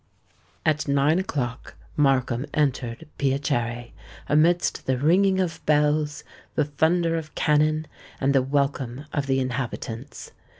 At nine o'clock Markham entered Piacere, amidst the ringing of bells, the thunder of cannon, and the welcome of the inhabitants.